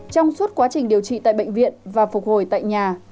trong suốt quá trình điều trị tại bệnh viện và phục hồi tại nhà